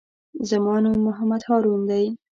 زما نوم محمد هارون دئ.